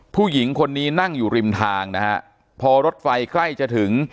ผู้หญิงคนนี้นั่งอยู่ริมทางนะฮะพอรถไฟใกล้จะถึง